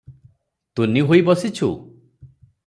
ତୁନି ହୋଇ ବସିଛୁ?